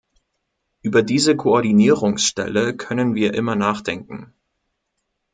Über diese Koordinierungsstelle können wir immer nachdenken.